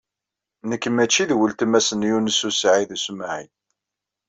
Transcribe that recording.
Nekk mačči d weltma-s n Yunes u Saɛid u Smaɛil.